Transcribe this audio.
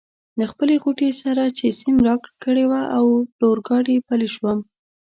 له خپلې غوټې سره چي سیم راکړې وه له اورګاډي پلی شوم.